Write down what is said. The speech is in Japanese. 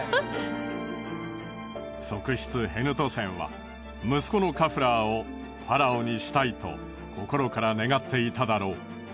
側室ヘヌトセンは息子のカフラーをファラオにしたいと心から願っていただろう。